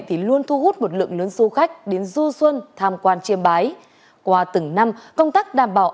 thì luôn thu hút một lượng lớn du khách đến du xuân tham quan chiêm bái qua từng năm công tác đảm bảo